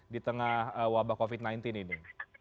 di tengah wabah covid sembilan belas ini